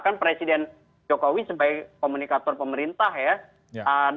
kan presiden jokowi sebagai komunikator pemerintah ya